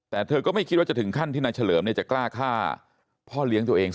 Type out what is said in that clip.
แต่เธอก็ไม่คิดว่าจะถึงขั้นที่นายเฉลิมจะกล้าฆ่าพ่อเลี้ยงตัวเอง